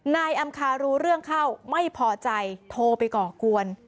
นายอำคารู้เรื่องเข้าไม่พอใจโทรไปก่อกวน